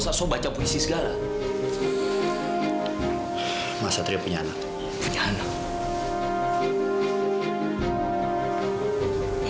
maksud kamu apa sih